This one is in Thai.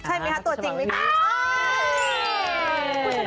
ใช่มั้ยคะตัวจริงมั้ยคะ